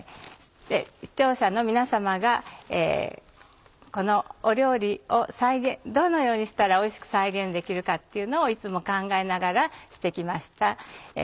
視聴者の皆様がこのお料理をどのようにしたらおいしく再現できるかっていうのをいつも考えながらして来ました。